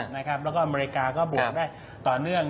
แล้วก็อเมริกาก็บวกได้ต่อเนื่อง